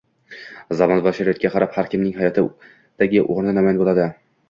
Zamon va sharoitga qarab har kimning hayotdagi o’rni namoyon bo’ladi